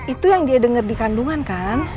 itu yang dia dengar di kandungan kan